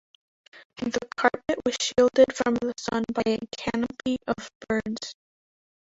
The carpet was shielded from the sun by a canopy of birds.